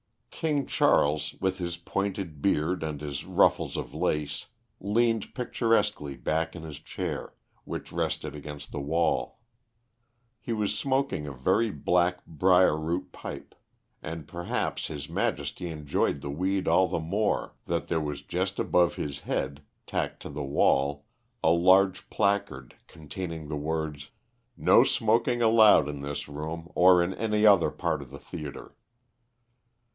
King Charles, with his pointed beard and his ruffles of lace, leaned picturesquely back in his chair, which rested against the wall. He was smoking a very black brier root pipe, and perhaps his Majesty enjoyed the weed all the more that there was just above his head, tacked to the wall, a large placard, containing the words, "No smoking allowed in this room, or in any other part of the theatre."